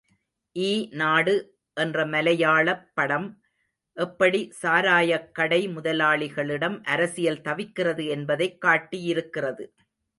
ஈ நாடு என்ற மலையாளப் படம் எப்படி சாராயக்கடை முதலாளிகளிடம் அரசியல் தவிக்கிறது என்பதைக் காட்டியிருக்கிறது.